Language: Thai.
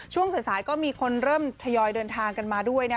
ช่วงสายก็มีคนเริ่มทยอยเดินทางกันมาด้วยนะ